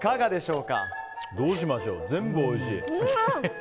どうしましょう全部おいしい。